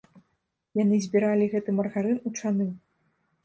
Яны збіралі гэты маргарын у чаны.